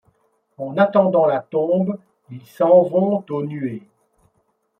En attendant la tombe, ils s’en vont aux nuées